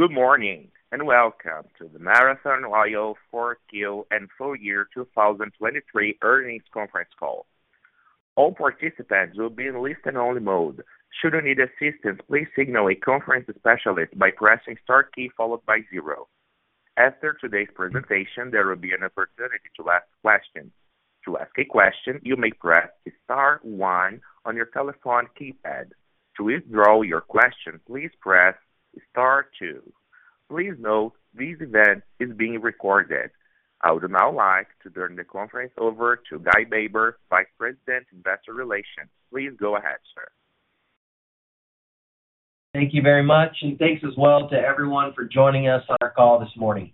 Good morning, and welcome to the Marathon Oil Q4 and full year 2023 earnings conference call. All participants will be in listen-only mode. Should you need assistance, please signal a conference specialist by pressing star key followed by zero. After today's presentation, there will be an opportunity to ask questions. To ask a question, you may press star one on your telephone keypad. To withdraw your question, please press star two. Please note, this event is being recorded. I would now like to turn the conference over to Guy Baber, Vice President, Investor Relations. Please go ahead, sir. Thank you very much, and thanks as well to everyone for joining us on our call this morning.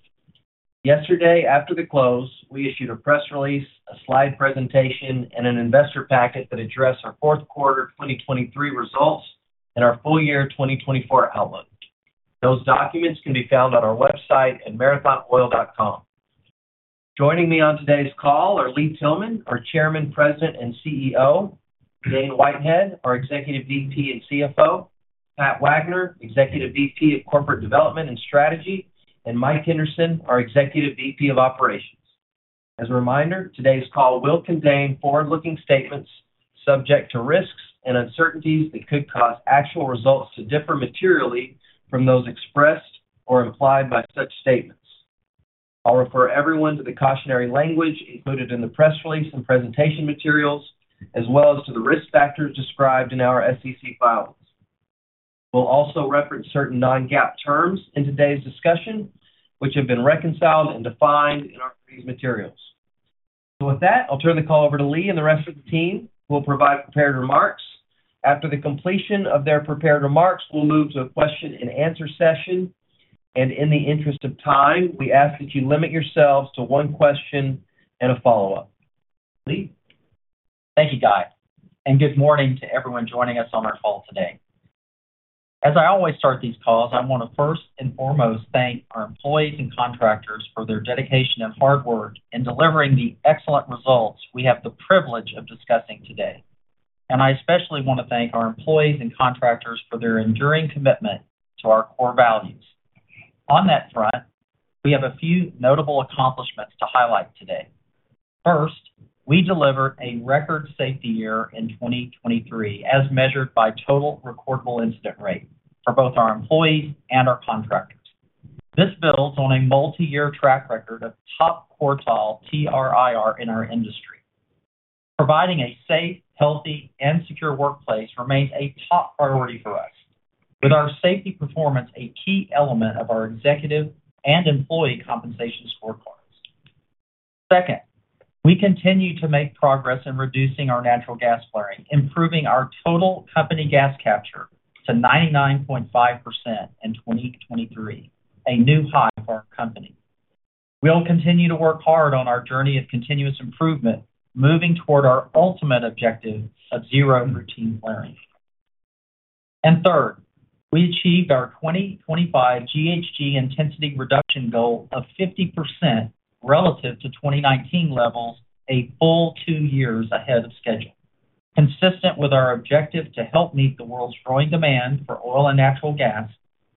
Yesterday, after the close, we issued a press release, a slide presentation, and an investor packet that addressed our fourth quarter 2023 results and our full year 2024 outlook. Those documents can be found on our website at marathonoil.com. Joining me on today's call are Lee Tillman, our Chairman, President, and CEO; Dane Whitehead, our Executive VP and CFO; Pat Wagner, Executive VP of Corporate Development and Strategy; and Mike Henderson, our Executive VP of Operations. As a reminder, today's call will contain forward-looking statements subject to risks and uncertainties that could cause actual results to differ materially from those expressed or implied by such statements. I'll refer everyone to the cautionary language included in the press release and presentation materials, as well as to the risk factors described in our SEC filings. We'll also reference certain non-GAAP terms in today's discussion, which have been reconciled and defined in our materials. So with that, I'll turn the call over to Lee and the rest of the team, who will provide prepared remarks. After the completion of their prepared remarks, we'll move to a question-and-answer session, and in the interest of time, we ask that you limit yourselves to one question and a follow-up. Lee? Thank you, Guy, and good morning to everyone joining us on our call today. As I always start these calls, I wanna first and foremost thank our employees and contractors for their dedication and hard work in delivering the excellent results we have the privilege of discussing today. I especially want to thank our employees and contractors for their enduring commitment to our core values. On that front, we have a few notable accomplishments to highlight today. First, we delivered a record safety year in 2023, as measured by total recordable incident rate for both our employees and our contractors. This builds on a multiyear track record of top-quartile TRIR in our industry. Providing a safe, healthy, and secure workplace remains a top priority for us, with our safety performance a key element of our executive and employee compensation scorecards. Second, we continue to make progress in reducing our natural gas flaring, improving our total company gas capture to 99.5% in 2023, a new high for our company. We'll continue to work hard on our journey of continuous improvement, moving toward our ultimate objective of zero routine flaring. And third, we achieved our 2025 GHG intensity reduction goal of 50% relative to 2019 levels, a full two years ahead of schedule, consistent with our objective to help meet the world's growing demand for oil and natural gas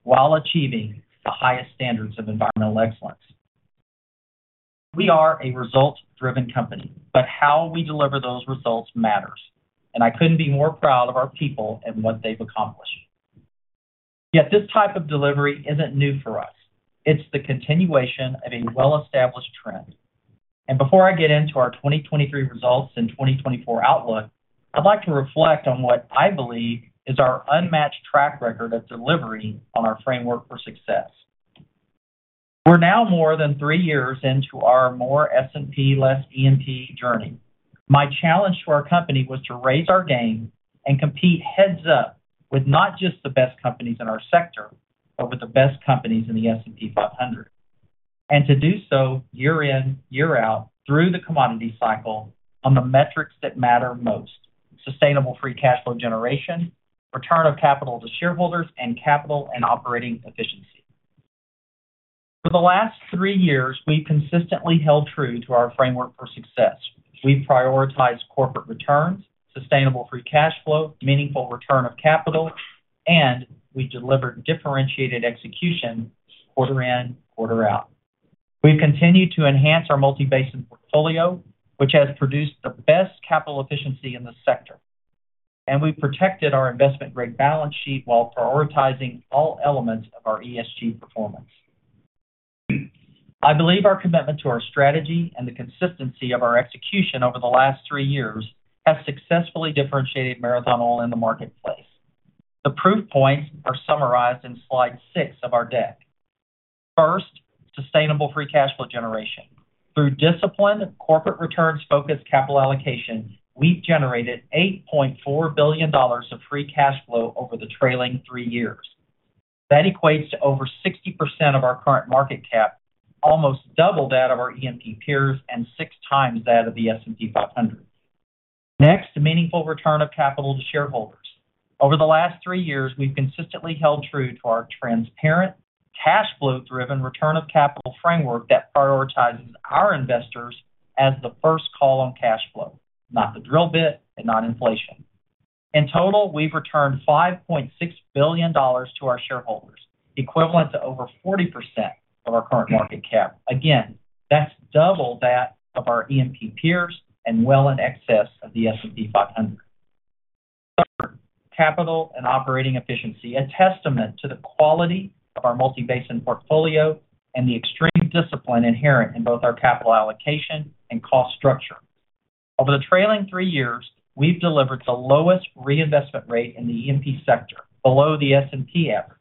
while achieving the highest standards of environmental excellence. We are a results-driven company, but how we deliver those results matters, and I couldn't be more proud of our people and what they've accomplished. Yet this type of delivery isn't new for us. It's the continuation of a well-established trend. Before I get into our 2023 results and 2024 outlook, I'd like to reflect on what I believe is our unmatched track record of delivering on our framework for success. We're now more than three years into our more S&P, less E&P journey. My challenge to our company was to raise our game and compete head to head with not just the best companies in our sector, but with the best companies in the S&P 500, and to do so year in, year out, through the commodity cycle on the metrics that matter most: sustainable free cash flow generation, return of capital to shareholders, and capital and operating efficiency. For the last three years, we've consistently held true to our framework for success. We've prioritized corporate returns, sustainable free cash flow, meaningful return of capital, and we delivered differentiated execution quarter in, quarter out. We've continued to enhance our multi-basin portfolio, which has produced the best capital efficiency in the sector, and we've protected our investment-grade balance sheet while prioritizing all elements of our ESG performance. I believe our commitment to our strategy and the consistency of our execution over the last three years has successfully differentiated Marathon Oil in the marketplace. The proof points are summarized in slide six of our deck. First, sustainable free cash flow generation. Through disciplined, corporate returns-focused capital allocation, we've generated $8.4 billion of free cash flow over the trailing three years. That equates to over 60% of our current market cap, almost double that of our E&P peers, and 6x that of the S&P 500. Next, meaningful return of capital to shareholders. Over the last three years, we've consistently held true to our transparent, cash flow-driven return of capital framework that prioritizes our investors as the first call on cash flow, not the drill bit and not inflation. In total, we've returned $5.6 billion to our shareholders, equivalent to over 40% of our current market cap. Again, that's double that of our E&P peers and well in excess of the S&P 500. Capital and operating efficiency, a testament to the quality of our multi-basin portfolio and the extreme discipline inherent in both our capital allocation and cost structure. Over the trailing three years, we've delivered the lowest reinvestment rate in the E&P sector, below the S&P average,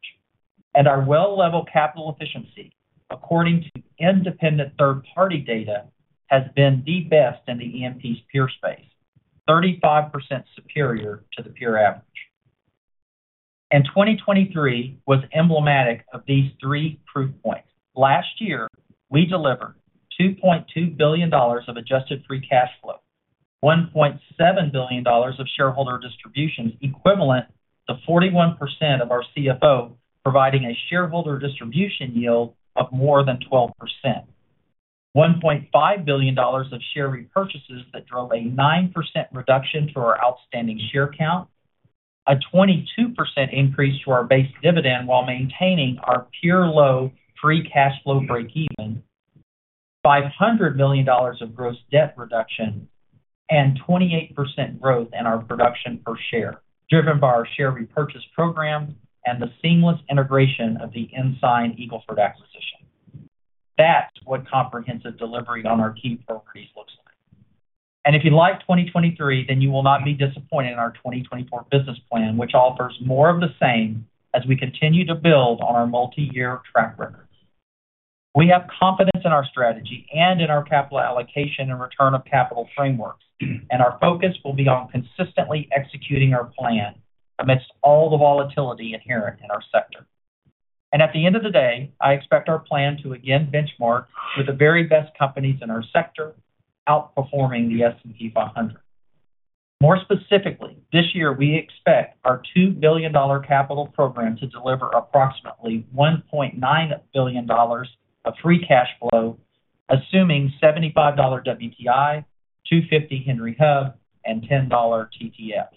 and our well level capital efficiency, according to independent third-party data, has been the best in the E&P's peer space, 35% superior to the peer average. 2023 was emblematic of these three proof points. Last year, we delivered $2.2 billion of adjusted free cash flow, $1.7 billion of shareholder distributions, equivalent to 41% of our CFO, providing a shareholder distribution yield of more than 12%, $1.5 billion of share repurchases that drove a 9% reduction to our outstanding share count, a 22% increase to our base dividend while maintaining our pure low free cash flow breakeven, $500 million of gross debt reduction, and 28% growth in our production per share, driven by our share repurchase program and the seamless integration of the Ensign-Eagle Ford acquisition. That's what comprehensive delivery on our key priorities looks like. If you like 2023, then you will not be disappointed in our 2024 business plan, which offers more of the same as we continue to build on our multi-year track record. We have confidence in our strategy and in our capital allocation and return of capital frameworks, and our focus will be on consistently executing our plan amidst all the volatility inherent in our sector. At the end of the day, I expect our plan to again benchmark with the very best companies in our sector, outperforming the S&P 500. More specifically, this year, we expect our $2 billion capital program to deliver approximately $1.9 billion of free cash flow, assuming $75 WTI, $2.50 Henry Hub, and $10 TTF.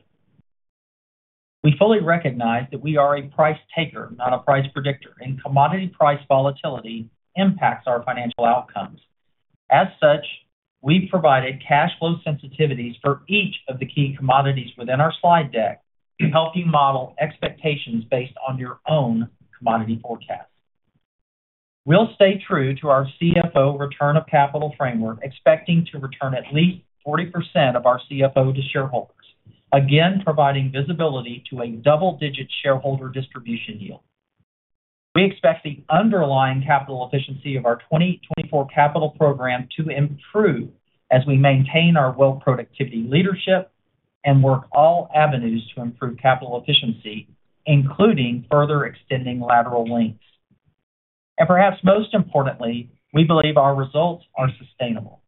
We fully recognize that we are a price taker, not a price predictor, and commodity price volatility impacts our financial outcomes. As such, we've provided cash flow sensitivities for each of the key commodities within our slide deck to help you model expectations based on your own commodity forecast. We'll stay true to our CFO return of capital framework, expecting to return at least 40% of our CFO to shareholders, again, providing visibility to a double-digit shareholder distribution yield. We expect the underlying capital efficiency of our 2024 capital program to improve as we maintain our well productivity leadership and work all avenues to improve capital efficiency, including further extending lateral lengths. Perhaps most importantly, we believe our results are sustainable.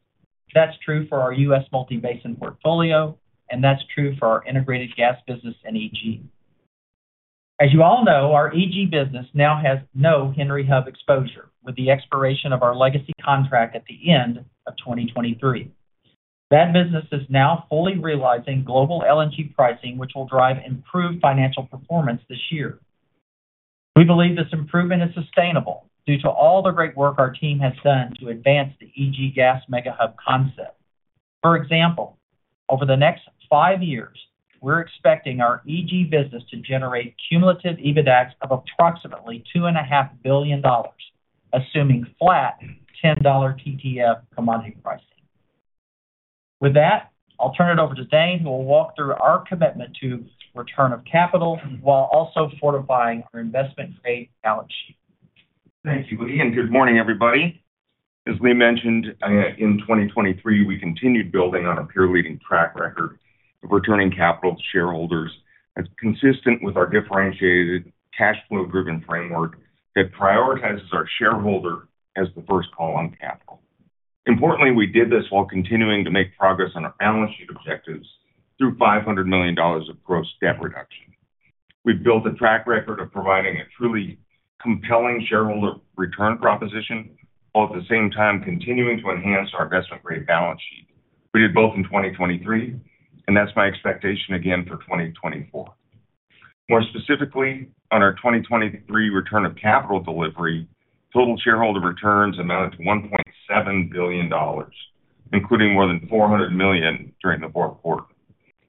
That's true for our U.S. Multi-basin portfolio, and that's true for our integrated gas business and EG. As you all know, our EG business now has no Henry Hub exposure, with the expiration of our legacy contract at the end of 2023. That business is now fully realizing global LNG pricing, which will drive improved financial performance this year. We believe this improvement is sustainable due to all the great work our team has done to advance the EG Gas Mega Hub concept. For example, over the next five years, we're expecting our EG business to generate cumulative EBITDAX of approximately $2.5 billion, assuming flat $10 TTF commodity pricing. With that, I'll turn it over to Dane, who will walk through our commitment to return of capital while also fortifying our investment-grade balance sheet. Thank you, Lee, and good morning, everybody. As Lee mentioned, in 2023, we continued building on a peer-leading track record of returning capital to shareholders as consistent with our differentiated cash flow-driven framework that prioritizes our shareholder as the first call on capital. Importantly, we did this while continuing to make progress on our balance sheet objectives through $500 million of gross debt reduction. We've built a track record of providing a truly compelling shareholder return proposition, while at the same time continuing to enhance our investment-grade balance sheet. We did both in 2023, and that's my expectation again for 2024. More specifically, on our 2023 return of capital delivery, total shareholder returns amounted to $1.7 billion, including more than $400 million during the fourth quarter.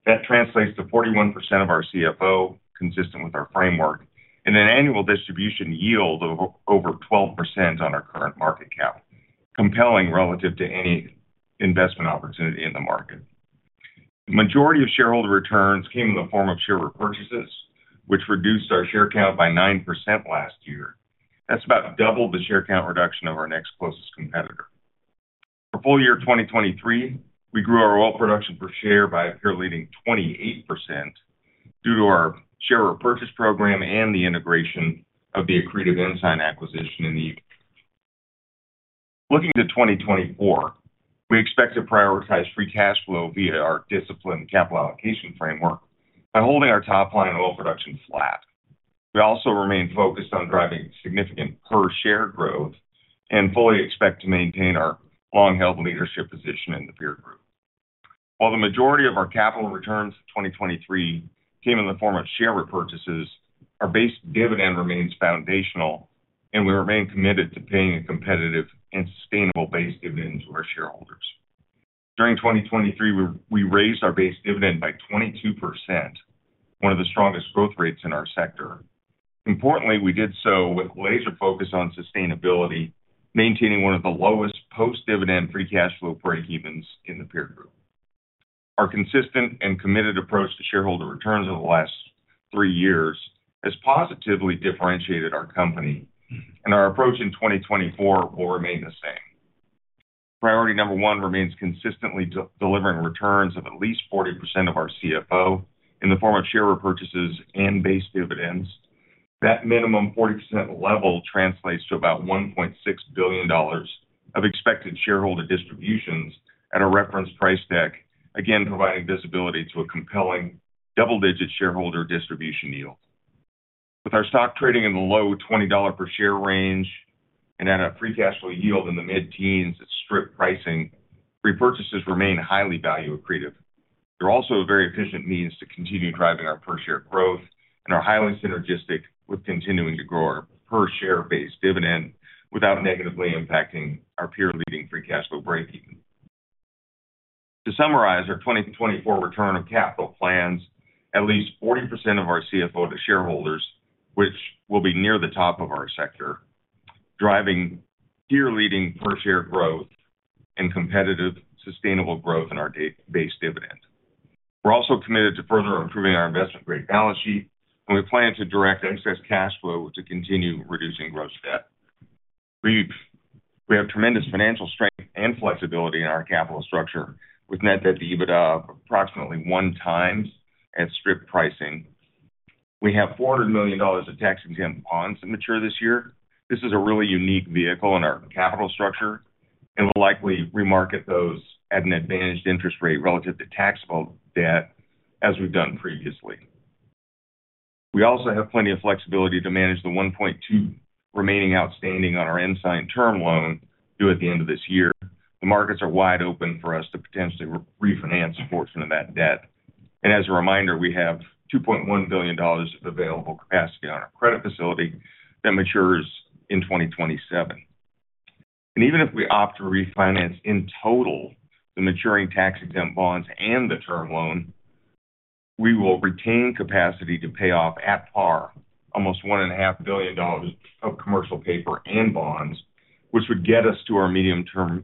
That translates to 41% of our CFO, consistent with our framework, and an annual distribution yield of over 12% on our current market cap, compelling relative to any investment opportunity in the market. Majority of shareholder returns came in the form of share repurchases, which reduced our share count by 9% last year. That's about double the share count reduction of our next closest competitor. For full year 2023, we grew our oil production per share by a peer-leading 28% due to our share repurchase program and the integration of the accretive Ensign acquisition in the... Looking to 2024, we expect to prioritize free cash flow via our disciplined capital allocation framework by holding our top line in oil production flat.... We also remain focused on driving significant per share growth and fully expect to maintain our long-held leadership position in the peer group. While the majority of our capital returns in 2023 came in the form of share repurchases, our base dividend remains foundational, and we remain committed to paying a competitive and sustainable base dividend to our shareholders. During 2023, we raised our base dividend by 22%, one of the strongest growth rates in our sector. Importantly, we did so with laser focus on sustainability, maintaining one of the lowest post-dividend free cash flow breakevens in the peer group. Our consistent and committed approach to shareholder returns over the last three years has positively differentiated our company, and our approach in 2024 will remain the same. Priority number one remains consistently delivering returns of at least 40% of our CFO in the form of share repurchases and base dividends. That minimum 40% level translates to about $1.6 billion of expected shareholder distributions at a reference price deck, again, providing visibility to a compelling double-digit shareholder distribution yield. With our stock trading in the low $20 per share range and at a free cash flow yield in the mid-teens at strip pricing, repurchases remain highly value accretive. They're also a very efficient means to continue driving our per share growth and are highly synergistic with continuing to grow our per share base dividend without negatively impacting our peer-leading free cash flow breakeven. To summarize, our 2024 return on capital plans, at least 40% of our CFO to shareholders, which will be near the top of our sector, driving peer-leading per share growth and competitive, sustainable growth in our base dividend. We're also committed to further improving our investment-grade balance sheet, and we plan to direct excess cash flow to continue reducing gross debt. We have tremendous financial strength and flexibility in our capital structure, with net debt to EBITDA approximately 1x at strip pricing. We have $400 million of tax-exempt bonds to mature this year. This is a really unique vehicle in our capital structure, and we'll likely remarket those at an advantaged interest rate relative to taxable debt, as we've done previously. We also have plenty of flexibility to manage the $1.2 billion remaining outstanding on our Ensign term loan, due at the end of this year. The markets are wide open for us to potentially re-refinance a portion of that debt. As a reminder, we have $2.1 billion of available capacity on our credit facility that matures in 2027. Even if we opt to refinance in total the maturing tax-exempt bonds and the term loan, we will retain capacity to pay off at par almost $1.5 billion of commercial paper and bonds, which would get us to our medium-term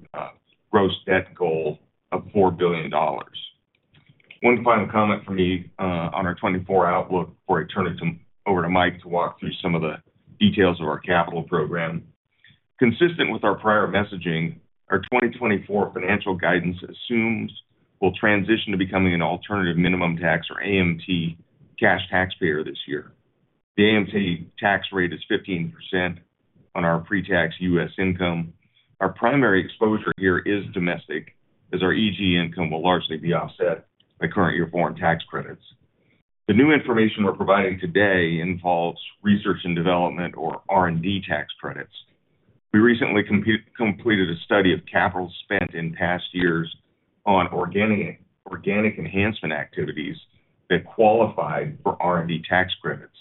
gross debt goal of $4 billion. One final comment from me on our 2024 outlook before I turn it over to Mike to walk through some of the details of our capital program. Consistent with our prior messaging, our 2024 financial guidance assumes we'll transition to becoming an alternative minimum tax, or AMT, cash taxpayer this year. The AMT tax rate is 15% on our pre-tax U.S. income. Our primary exposure here is domestic, as our EG income will largely be offset by current year foreign tax credits. The new information we're providing today involves research and development, or R&D, tax credits. We recently completed a study of capital spent in past years on organic enhancement activities that qualified for R&D tax credits.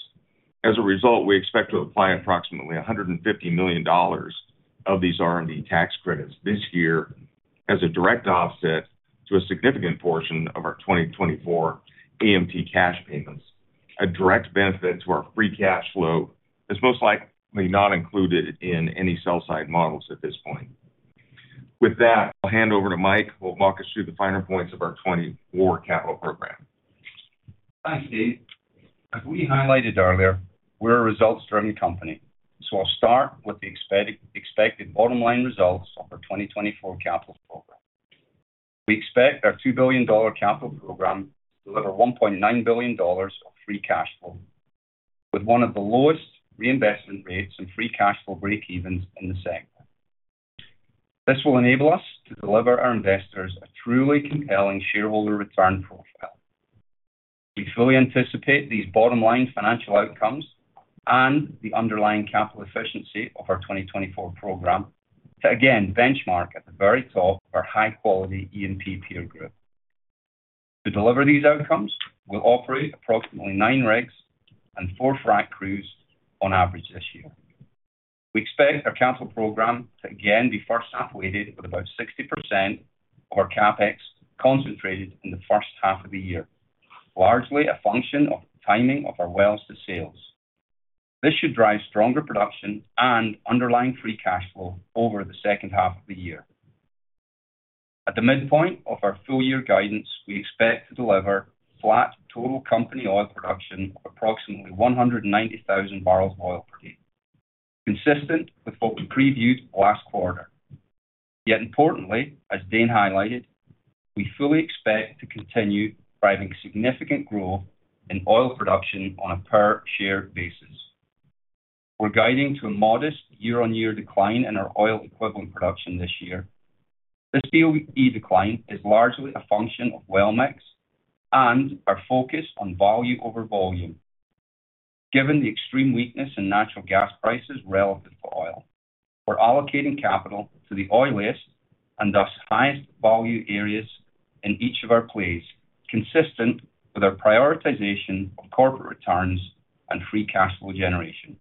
As a result, we expect to apply approximately $150 million of these R&D tax credits this year as a direct offset to a significant portion of our 2024 AMT cash payments. A direct benefit to our free cash flow is most likely not included in any sell-side models at this point. With that, I'll hand over to Mike, who will walk us through the finer points of our 2024 capital program. Thanks, Dane. As we highlighted earlier, we're a results-driven company, so I'll start with the expected bottom-line results of our 2024 capital program. We expect our $2 billion capital program to deliver $1.9 billion of free cash flow, with one of the lowest reinvestment rates and free cash flow breakevens in the sector. This will enable us to deliver our investors a truly compelling shareholder return profile. We fully anticipate these bottom-line financial outcomes and the underlying capital efficiency of our 2024 program to again benchmark at the very top of our high-quality E&P peer group. To deliver these outcomes, we'll operate approximately nine rigs and four frack crews on average this year. We expect our capital program to again be first half-weighted, with about 60% of our CapEx concentrated in the first half of the year, largely a function of the timing of our wells to sales. This should drive stronger production and underlying free cash flow over the second half of the year. At the midpoint of our full year guidance, we expect to deliver flat total company oil production of approximately 190,000 barrels of oil per day, consistent with what we previewed last quarter. Yet importantly, as Dane highlighted, we fully expect to continue driving significant growth in oil production on a per-share basis. We're guiding to a modest year-on-year decline in our oil equivalent production this year. This BOE decline is largely a function of well mix and our focus on value over volume. Given the extreme weakness in natural gas prices relative to oil, we're allocating capital to the oiliest, and thus highest value areas in each of our plays, consistent with our prioritization of corporate returns and free cash flow generation.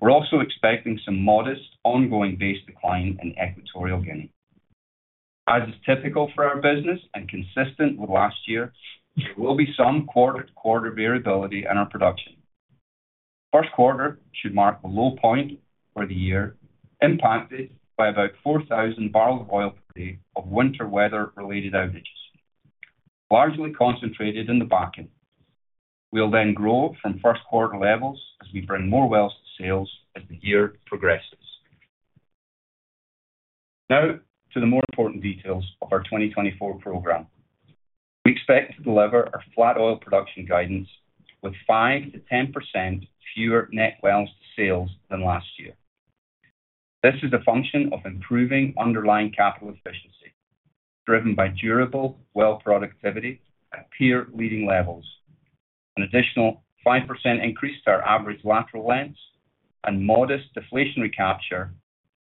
We're also expecting some modest ongoing base decline in Equatorial Guinea. As is typical for our business and consistent with last year, there will be some quarter-to-quarter variability in our production. First quarter should mark the low point for the year, impacted by about 4,000 barrels of oil per day of winter weather-related outages, largely concentrated in the Bakken. We'll then grow from first quarter levels as we bring more wells to sales as the year progresses. Now to the more important details of our 2024 program. We expect to deliver our flat oil production guidance with 5%-10% fewer net wells to sales than last year. This is a function of improving underlying capital efficiency, driven by durable well productivity at peer-leading levels, an additional 5% increase to our average lateral lengths, and modest deflationary capture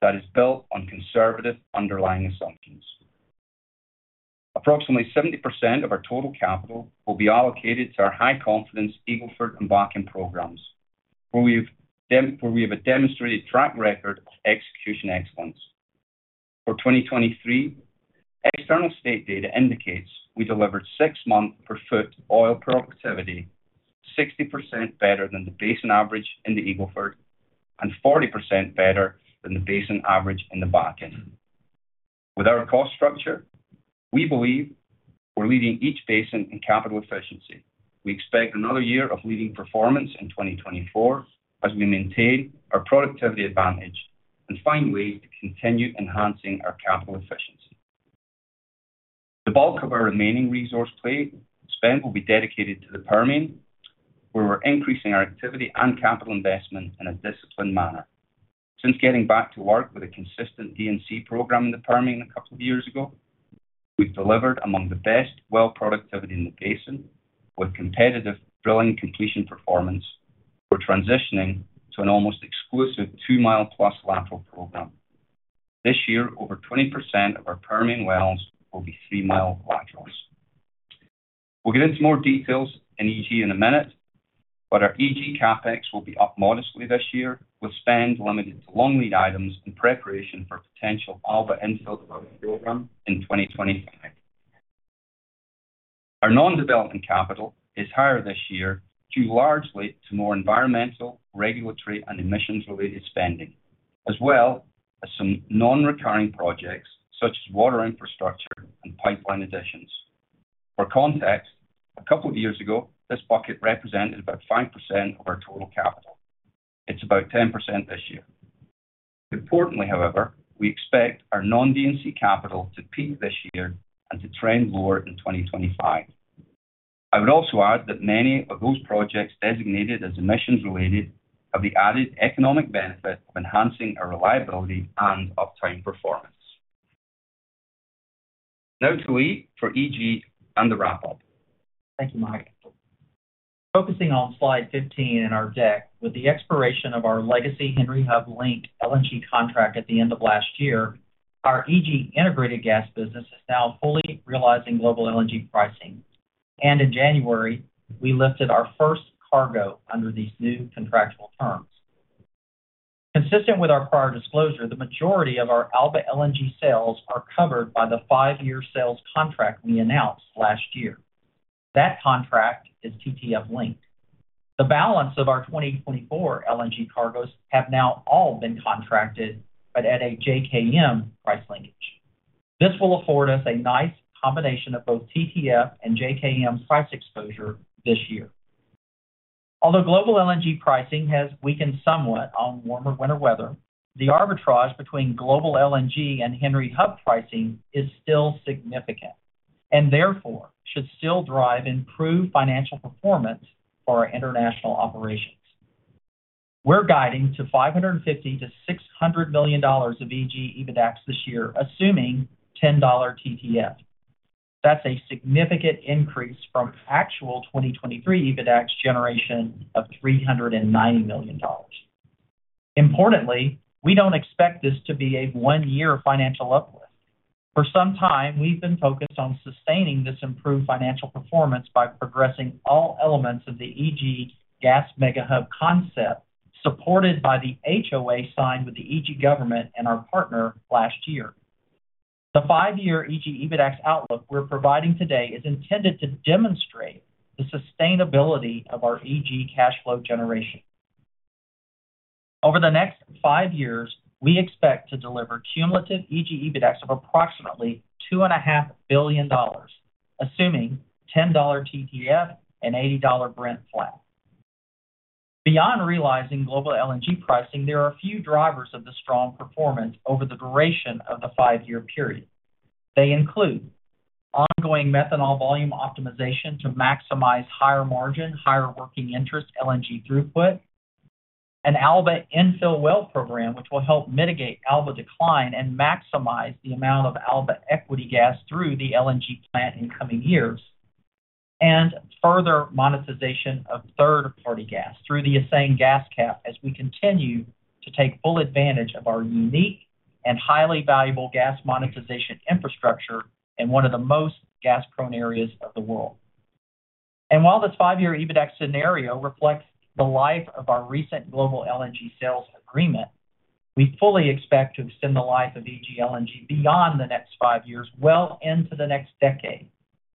that is built on conservative underlying assumptions. Approximately 70% of our total capital will be allocated to our high-confidence Eagle Ford and Bakken programs, where we have a demonstrated track record of execution excellence. For 2023, external state data indicates we delivered six-month per-foot oil productivity, 60% better than the basin average in the Eagle Ford, and 40% better than the basin average in the Bakken. With our cost structure, we believe we're leading each basin in capital efficiency. We expect another year of leading performance in 2024 as we maintain our productivity advantage and find ways to continue enhancing our capital efficiency. The bulk of our remaining resource play spend will be dedicated to the Permian, where we're increasing our activity and capital investment in a disciplined manner. Since getting back to work with a consistent D&C program in the Permian a couple of years ago, we've delivered among the best well productivity in the basin with competitive drilling completion performance. We're transitioning to an almost exclusive two-mile plus lateral program. This year, over 20% of our Permian wells will be 3 mi laterals. We'll get into more details in EG in a minute, but our EG CapEx will be up modestly this year, with spend limited to long lead items in preparation for potential Alba infill program in 2025. Our non-development capital is higher this year, due largely to more environmental, regulatory, and emissions-related spending, as well as some non-recurring projects such as water infrastructure and pipeline additions. For context, a couple of years ago, this bucket represented about 5% of our total capital. It's about 10% this year. Importantly, however, we expect our non-D&C capital to peak this year and to trend lower in 2025. I would also add that many of those projects designated as emissions-related have the added economic benefit of enhancing our reliability and uptime performance. Now to Lee for EG and the wrap-up. Thank you, Mike. Focusing on slide 15 in our deck, with the expiration of our legacy Henry Hub linked LNG contract at the end of last year, our EG integrated gas business is now fully realizing global LNG pricing, and in January, we lifted our first cargo under these new contractual terms. Consistent with our prior disclosure, the majority of our Alba LNG sales are covered by the five-year sales contract we announced last year. That contract is TTF linked. The balance of our 2024 LNG cargoes have now all been contracted, but at a JKM price linkage. This will afford us a nice combination of both TTF and JKM price exposure this year. Although global LNG pricing has weakened somewhat on warmer winter weather, the arbitrage between global LNG and Henry Hub pricing is still significant, and therefore should still drive improved financial performance for our international operations. We're guiding to $550 million-$600 million of EG EBITDAX this year, assuming $10 TTF. That's a significant increase from actual 2023 EBITDAX generation of $390 million. Importantly, we don't expect this to be a one-year financial uplift. For some time, we've been focused on sustaining this improved financial performance by progressing all elements of the EG Gas Mega Hub concept, supported by the HOA signed with the EG government and our partner last year. The five-year EG EBITDAX outlook we're providing today is intended to demonstrate the sustainability of our EG cash flow generation. Over the next five years, we expect to deliver cumulative EG EBITDAX of approximately $2.5 billion, assuming $10 TTF and $80 Brent flat. Beyond realizing global LNG pricing, there are a few drivers of the strong performance over the duration of the five-year period. They include ongoing methanol volume optimization to maximize higher margin, higher working interest LNG throughput, an Alba infill well program, which will help mitigate Alba decline and maximize the amount of Alba equity gas through the LNG plant in coming years, and further monetization of third-party gas through the Aseng gas cap as we continue to take full advantage of our unique and highly valuable gas monetization infrastructure in one of the most gas-prone areas of the world. And while this five-year EBITDAX scenario reflects the life of our recent global LNG sales agreement, we fully expect to extend the life of EG LNG beyond the next five years, well into the next decade,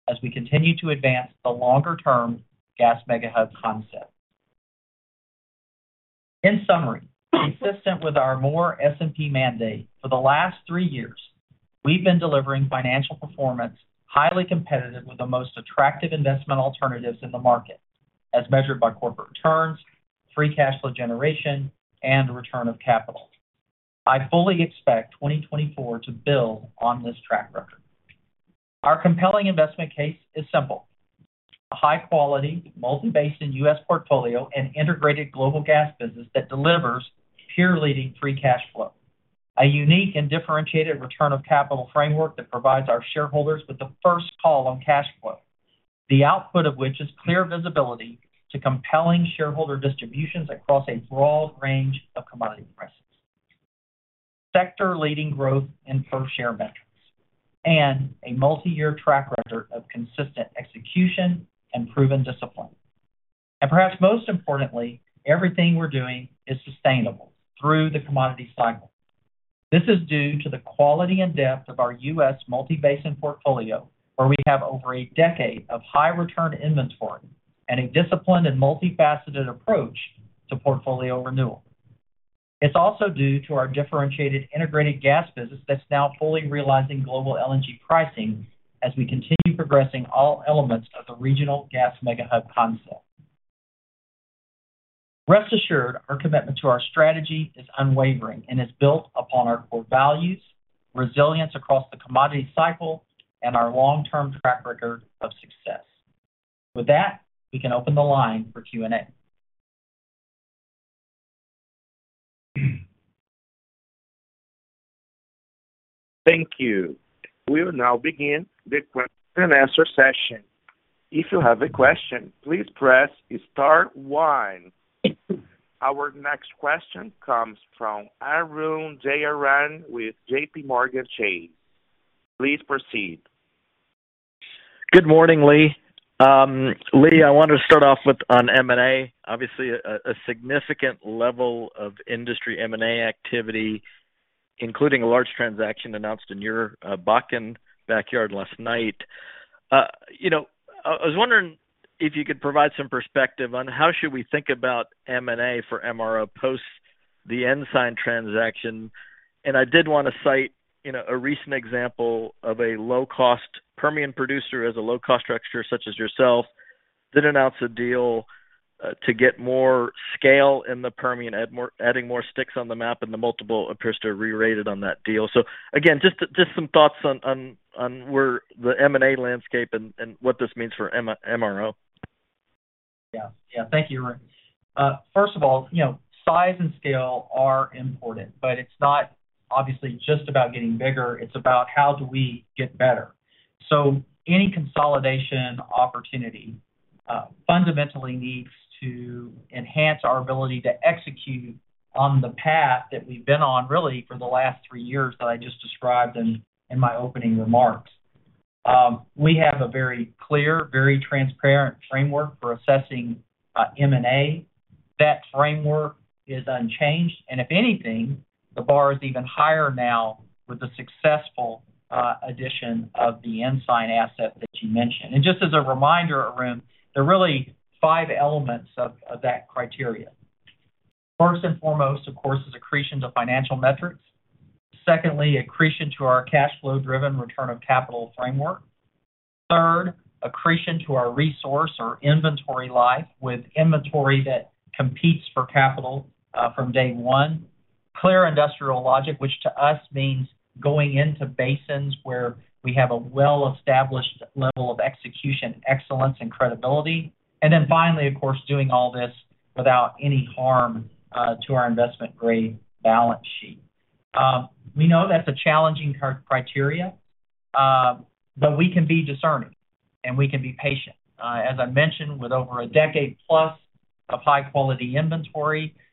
as we continue to advance the longer-term gas mega hub concept. In summary, consistent with our more S&P mandate, for the last three years, we've been delivering financial performance, highly competitive with the most attractive investment alternatives in the market, as measured by corporate returns, free cash flow generation, and return of capital. I fully expect 2024 to build on this track record. Our compelling investment case is simple: a high-quality, multi-basin U.S. portfolio and integrated global gas business that delivers peer-leading free cash flow. A unique and differentiated return of capital framework that provides our shareholders with the first call on cash flow, the output of which is clear visibility to compelling shareholder distributions across a broad range of commodity prices. Sector-leading growth in per share metrics, and a multiyear track record of consistent execution and proven discipline. Perhaps most importantly, everything we're doing is sustainable through the commodity cycle. This is due to the quality and depth of our U.S. multi-basin portfolio, where we have over a decade of high return inventory and a disciplined and multifaceted approach to portfolio renewal. It's also due to our differentiated integrated gas business that's now fully realizing global LNG pricing as we continue progressing all elements of the regional gas mega hub concept. Rest assured, our commitment to our strategy is unwavering and is built upon our core values, resilience across the commodity cycle, and our long-term track record of success. With that, we can open the line for Q&A. Thank you. We will now begin the question and answer session. If you have a question, please press star one. Our next question comes from Arun Jayaram with JPMorgan Chase. Please proceed. Good morning, Lee. Lee, I wanted to start off with on M&A. Obviously, a significant level of industry M&A activity, including a large transaction announced in your Bakken backyard last night. You know, I was wondering if you could provide some perspective on how should we think about M&A for MRO post the Ensign transaction. And I did want to cite, you know, a recent example of a low-cost Permian producer as a low-cost structure, such as yourself, did announce a deal to get more scale in the Permian, adding more sticks on the map, and the multiple appears to have rerated on that deal. So again, just some thoughts on where the M&A landscape and what this means for MRO. Yeah. Yeah. Thank you, Arun. First of all, you know, size and scale are important, but it's not obviously just about getting bigger, it's about how do we get better. So any consolidation opportunity, fundamentally needs to enhance our ability to execute on the path that we've been on, really, for the last three years that I just described in my opening remarks. We have a very clear, very transparent framework for assessing M&A. That framework is unchanged, and if anything, the bar is even higher now with the successful addition of the Ensign asset that you mentioned. And just as a reminder, Arun, there are really five elements of that criteria. First and foremost, of course, is accretion to financial metrics. Secondly, accretion to our cash flow-driven return of capital framework. Third, accretion to our resource or inventory life, with inventory that competes for capital, from day one. Clear industrial logic, which to us means going into basins where we have a well-established level of execution, excellence, and credibility. And then finally, of course, doing all this without any harm to our investment-grade balance sheet. We know that's a challenging criteria, but we can be discerning, and we can be patient. As I mentioned, with over a decade plus of high-quality inventory, we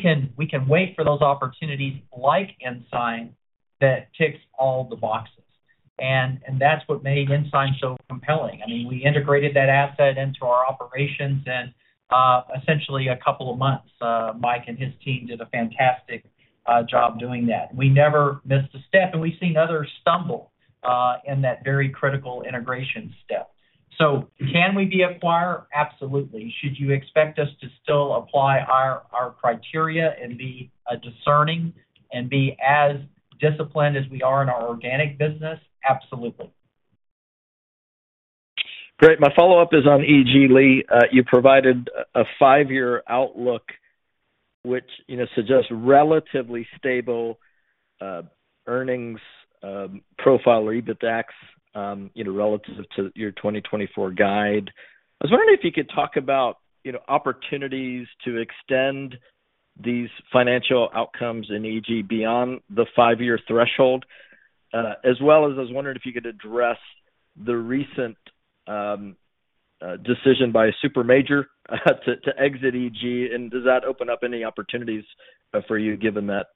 can, we can wait for those opportunities like Ensign that ticks all the boxes. And, and that's what made Ensign so compelling. I mean, we integrated that asset into our operations in, essentially a couple of months. Mike and his team did a fantastic job doing that. We never missed a step, and we've seen others stumble in that very critical integration step. So can we be acquirer? Absolutely. Should you expect us to still apply our criteria and be discerning and be as disciplined as we are in our organic business? Absolutely.... Great. My follow-up is on EG, Lee. You provided a five-year outlook, which, you know, suggests relatively stable earnings profile or EBITDAX, you know, relative to your 2024 guide. I was wondering if you could talk about, you know, opportunities to extend these financial outcomes in EG beyond the five-year threshold. As well as I was wondering if you could address the recent decision by a super major to exit EG, and does that open up any opportunities for you, given that,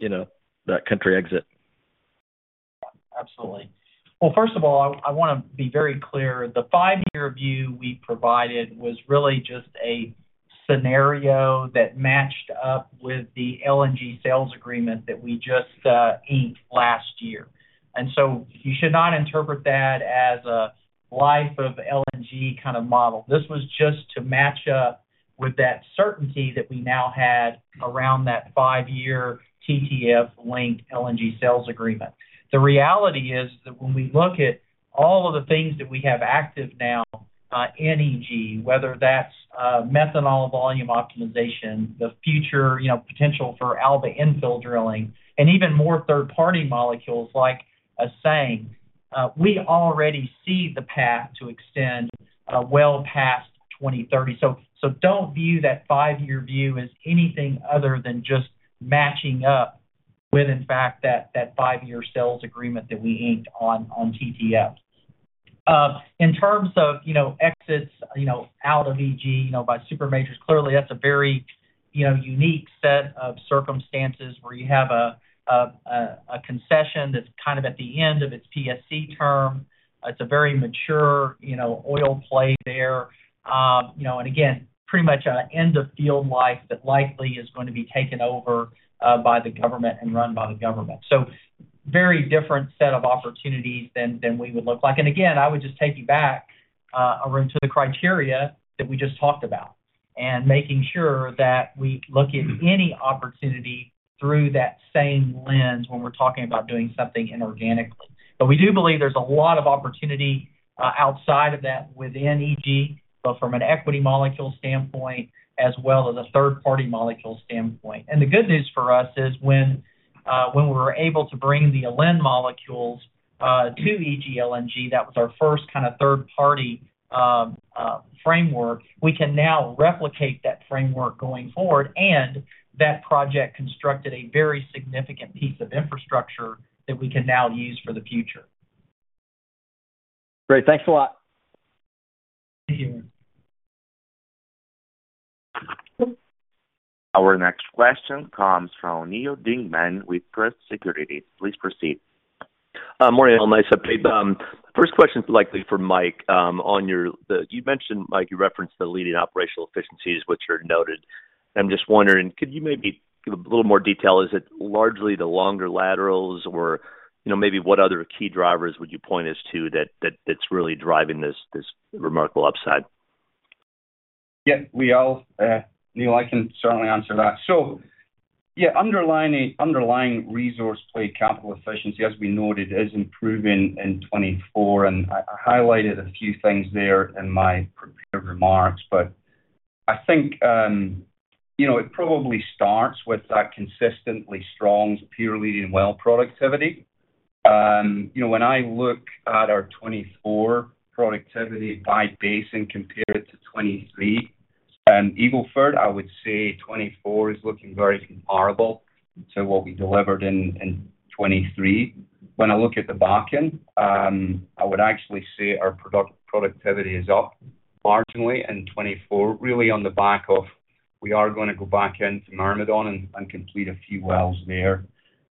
you know, that country exit? Absolutely. Well, first of all, I wanna be very clear. The five-year view we provided was really just a scenario that matched up with the LNG sales agreement that we just inked last year. And so you should not interpret that as a life of LNG kind of model. This was just to match up with that certainty that we now had around that five-year TTF-linked LNG sales agreement. The reality is that when we look at all of the things that we have active now in EG, whether that's methanol volume optimization, the future, you know, potential for Alba infill drilling, and even more third-party molecules like Aseng, we already see the path to extend well past 2030. Don't view that five-year view as anything other than just matching up with, in fact, that five-year sales agreement that we inked on TTF. In terms of, you know, exits, you know, out of EG, you know, by super majors, clearly that's a very, you know, unique set of circumstances where you have a concession that's kind of at the end of its PSC term. It's a very mature, you know, oil play there. And again, pretty much an end of field life that likely is going to be taken over by the government and run by the government. So very different set of opportunities than we would look like. Again, I would just take you back, Arun, to the criteria that we just talked about, and making sure that we look at any opportunity through that same lens when we're talking about doing something inorganically. But we do believe there's a lot of opportunity outside of that within EG, both from an equity molecule standpoint as well as a third-party molecule standpoint. The good news for us is when we were able to bring the Alba molecules to EG LNG, that was our first kind of third-party framework. We can now replicate that framework going forward, and that project constructed a very significant piece of infrastructure that we can now use for the future. Great. Thanks a lot. Thank you. Our next question comes from Neil Dingmann with Truist Securities. Please proceed. Morning, all. Nice update. First question's likely for Mike. On, you mentioned, Mike, you referenced the leading operational efficiencies, which are noted. I'm just wondering, could you maybe give a little more detail? Is it largely the longer laterals, or, you know, maybe what other key drivers would you point us to, that, that's really driving this, this remarkable upside? Yeah, we all, Neil, I can certainly answer that. So, yeah, underlying resource play, capital efficiency, as we noted, is improving in 2024, and I highlighted a few things there in my prepared remarks. But I think, you know, it probably starts with that consistently strong peer-leading well productivity. You know, when I look at our 2024 productivity by basin, compare it to 2023, Eagle Ford, I would say 2024 is looking very comparable to what we delivered in 2023. When I look at the Bakken, I would actually say our productivity is up marginally in 2024, really on the back of we are gonna go back into Myrmidon and complete a few wells there.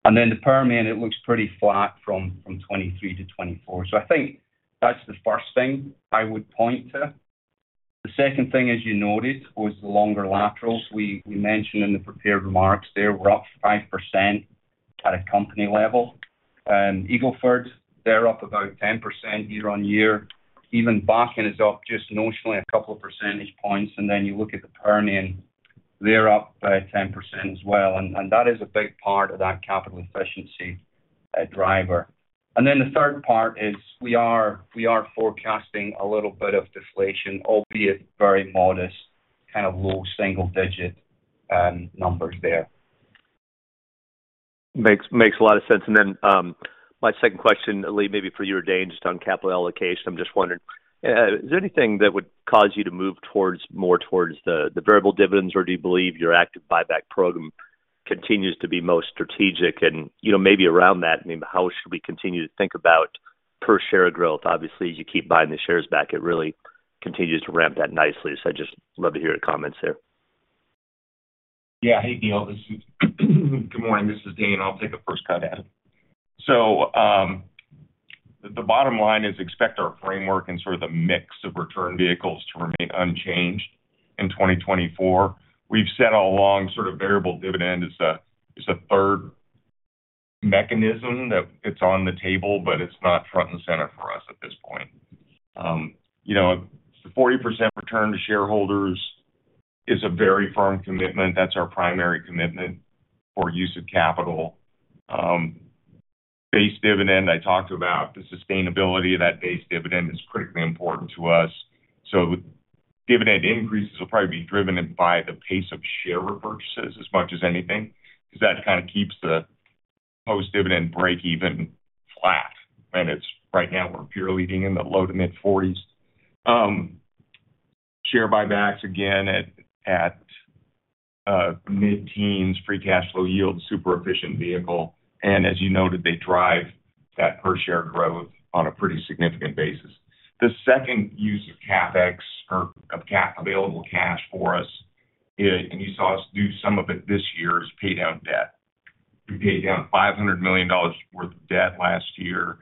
And then the Permian, it looks pretty flat from 2023 to 2024. So I think that's the first thing I would point to. The second thing, as you noted, was the longer laterals. We mentioned in the prepared remarks there, we're up 5% at a company level. Eagle Ford, they're up about 10% year-on-year. Even Bakken is up just notionally a couple of percentage points, and then you look at the Permian, they're up by 10% as well. And that is a big part of that capital efficiency driver. And then the third part is we are forecasting a little bit of deflation, albeit very modest, kind of low single-digit numbers there. Makes, makes a lot of sense. Then, my second question, Lee, maybe for you or Dane, just on capital allocation. I'm just wondering, is there anything that would cause you to move towards more towards the, the variable dividends, or do you believe your active buyback program continues to be most strategic? And, you know, maybe around that, I mean, how should we continue to think about per share growth? Obviously, as you keep buying the shares back, it really continues to ramp that nicely. So I'd just love to hear your comments there. Yeah. Hey, Neil, this is... Good morning, this is Dane. I'll take a first cut at it. So, the bottom line is expect our framework and sort of the mix of return vehicles to remain unchanged in 2024. We've said all along, sort of variable dividend is a, is a third mechanism, that it's on the table, but it's not front and center for us at this point. You know, 40% return to shareholders-... is a very firm commitment. That's our primary commitment for use of capital. Base dividend, I talked about the sustainability of that base dividend is critically important to us. So dividend increases will probably be driven by the pace of share repurchases as much as anything, because that kind of keeps the post-dividend break even flat. And it's-- right now, we're peer leading in the low to mid-40s. Share buybacks again at, at mid-teens, free cash flow yield, super efficient vehicle, and as you noted, they drive that per share growth on a pretty significant basis. The second use of CapEx or of ca- available cash for us, and you saw us do some of it this year, is pay down debt. We paid down $500 million worth of debt last year.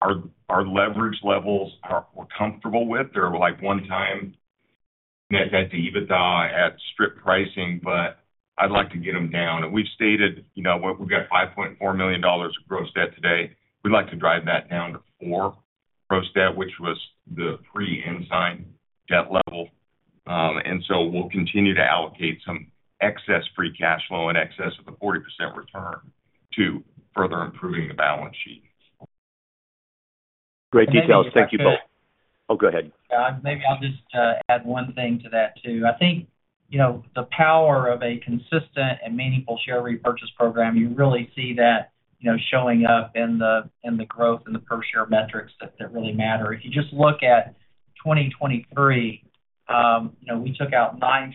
Our leverage levels are, we're comfortable with. They're like 1x net debt to EBITDA at strip pricing, but I'd like to get them down. And we've stated, you know, what, we've got $5.4 million of gross debt today. We'd like to drive that down to $4 gross debt, which was the pre-Ensign debt level. And so we'll continue to allocate some excess free cash flow in excess of the 40% return to further improving the balance sheet. Great details. Thank you both. Oh, go ahead. Yeah, maybe I'll just add one thing to that, too. I think, you know, the power of a consistent and meaningful share repurchase program, you really see that, you know, showing up in the, in the growth and the per share metrics that really matter. If you just look at 2023, you know, we took out 9%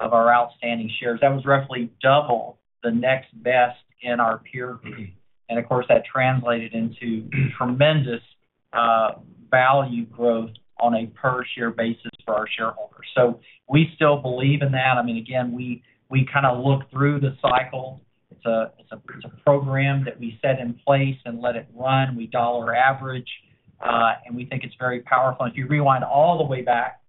of our outstanding shares. That was roughly double the next best in our peer group. And of course, that translated into tremendous value growth on a per share basis for our shareholders. So we still believe in that. I mean, again, we kind of look through the cycle. It's a program that we set in place and let it run. We dollar average, and we think it's very powerful. If you rewind all the way back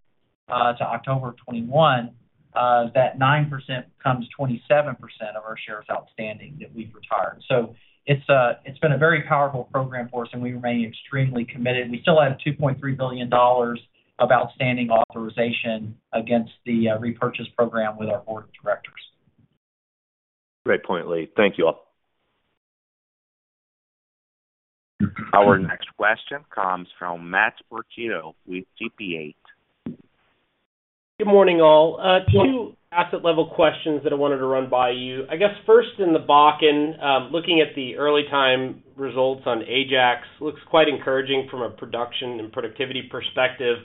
to October of 2021, that 9% becomes 27% of our shares outstanding that we've retired. So it's been a very powerful program for us, and we remain extremely committed. We still have $2.3 billion of outstanding authorization against the repurchase program with our board of directors. Great point, Lee. Thank you all. Our next question comes from Matt Portillo with TPH. Good morning, all. Two asset level questions that I wanted to run by you. I guess first in the Bakken, looking at the early time results on Ajax, looks quite encouraging from a production and productivity perspective.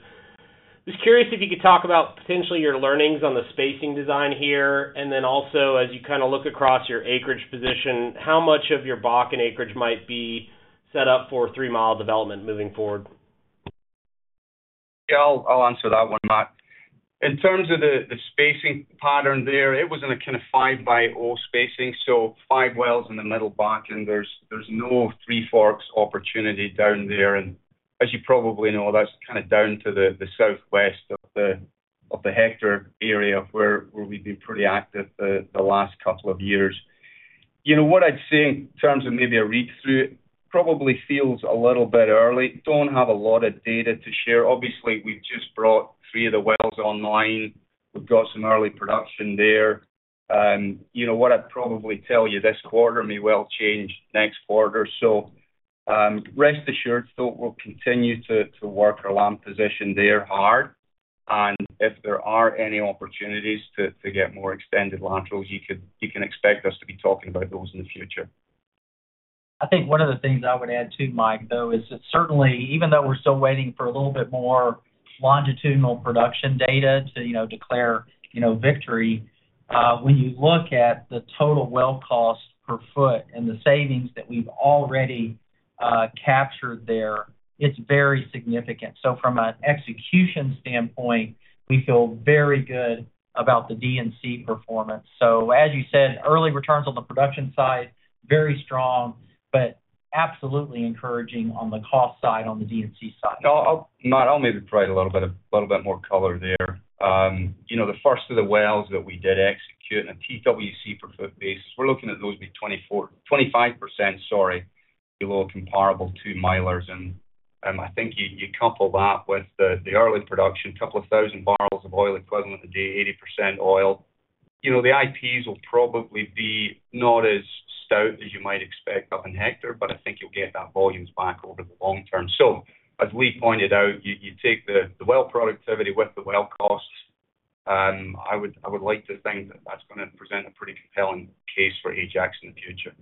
Just curious if you could talk about potentially your learnings on the spacing design here, and then also, as you kind of look across your acreage position, how much of your Bakken acreage might be set up for 3 mi development moving forward? Yeah, I'll answer that one, Matt. In terms of the spacing pattern there, it was in a kind of five by zero spacing, so five wells in the Middle Bakken. There's no Three Forks opportunity down there. And as you probably know, that's kind of down to the southwest of the Hector area, where we've been pretty active the last couple of years. You know, what I'd say in terms of maybe a read-through, it probably feels a little bit early. Don't have a lot of data to share. Obviously, we've just brought three of the wells online. We've got some early production there. You know, what I'd probably tell you this quarter may well change next quarter. So, rest assured, we'll continue to work our land position there hard. If there are any opportunities to get more extended laterals, you could, you can expect us to be talking about those in the future. I think one of the things I would add, too, Mike, though, is that certainly, even though we're still waiting for a little bit more longitudinal production data to, you know, declare, you know, victory, when you look at the total well cost per foot and the savings that we've already captured there, it's very significant. So from an execution standpoint, we feel very good about the D&C performance. So as you said, early returns on the production side, very strong, but absolutely encouraging on the cost side, on the D&C side. No, I'll, Matt, I'll maybe provide a little bit, a little bit more color there. You know, the first of the wells that we did execute in a TWC per foot basis, we're looking at those be 24--25%, sorry, be a little comparable to Myrmidon. And, I think you couple that with the early production, couple thousand barrels of oil equivalent a day, 80% oil. You know, the IPs will probably be not as stout as you might expect up in Hector, but I think you'll get that volumes back over the long term. So as Lee pointed out, you take the well productivity with the well costs, I would like to think that that's gonna present a pretty compelling case for Ajax in the future.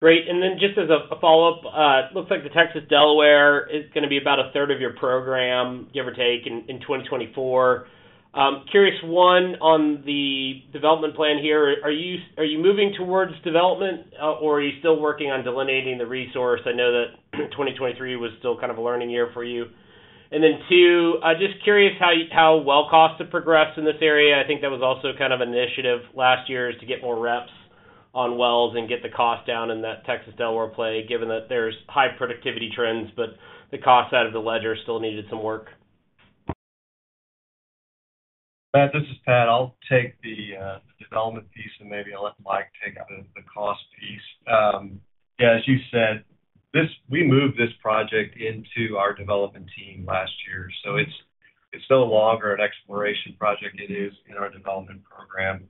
Great. Then just as a follow-up, looks like the Texas Delaware is gonna be about a third of your program, give or take, in 2024. Curious, one, on the development plan here, are you moving towards development, or are you still working on delineating the resource? I know that 2023 was still kind of a learning year for you. And then, two, just curious how well costs have progressed in this area. I think that was also kind of an initiative last year, is to get more reps on wells and get the cost down in that Texas Delaware play, given that there's high productivity trends, but the cost side of the ledger still needed some work.... Matt, this is Pat. I'll take the development piece, and maybe I'll let Mike take the cost piece. Yeah, as you said, this—we moved this project into our development team last year, so it's no longer an exploration project. It is in our development program.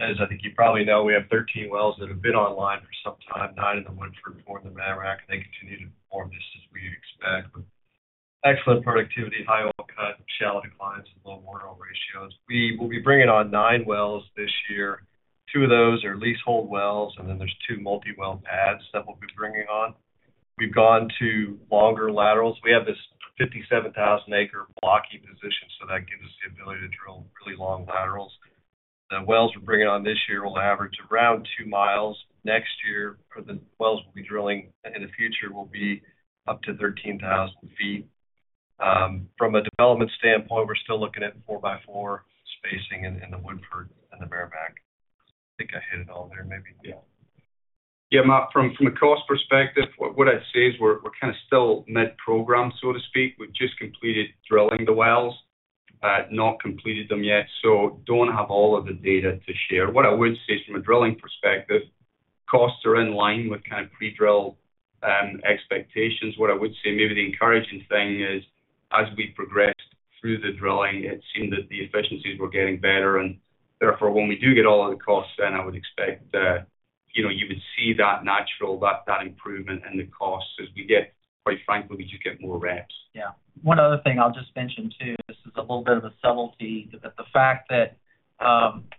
As I think you probably know, we have 13 wells that have been online for some time, nine in the Woodford, four in the Meramec, and they continue to perform just as we expect. Excellent productivity, high oil cut, shallow declines, and low water oil ratios. We will be bringing on nine wells this year. Two of those are leasehold wells, and then there's two multi-well pads that we'll be bringing on. We've gone to longer laterals. We have this 57,000-acre blocky position, so that gives us the ability to drill really long laterals. The wells we're bringing on this year will average around 2 mi. Next year, for the wells we'll be drilling in the future will be up to 13,000 ft. From a development standpoint, we're still looking at four by four spacing in the Woodford and the Meramec. I think I hit it all there, maybe, yeah. Yeah, Matt, from a cost perspective, what I'd say is we're kinda still mid-program, so to speak. We've just completed drilling the wells, not completed them yet, so don't have all of the data to share. What I would say from a drilling perspective, costs are in line with kind of pre-drill expectations. What I would say, maybe the encouraging thing is, as we progressed through the drilling, it seemed that the efficiencies were getting better, and therefore, when we do get all of the costs, then I would expect that, you know, you would see that natural improvement in the costs as we get, quite frankly, we just get more reps. Yeah. One other thing I'll just mention, too, this is a little bit of a subtlety, but the fact that,